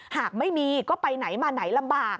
หากไม่มีก็ไปไหนมาไหนลำบาก